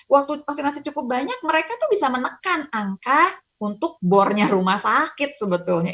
waktu vaksinasi cukup banyak mereka tuh bisa menekan angka untuk bornya rumah sakit sebetulnya